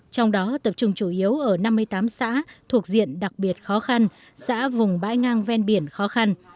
trong đó tập trung chủ yếu ở năm mươi tám xã thuộc diện đặc biệt khó khăn xã vùng bãi ngang ven biển khó khăn